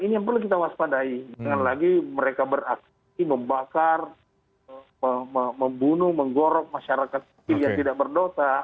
ini yang perlu kita waspadai jangan lagi mereka beraksi membakar membunuh menggorok masyarakat yang tidak berdosa